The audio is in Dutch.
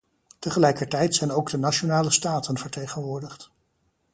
Tegelijkertijd zijn ook de nationale staten vertegenwoordigd.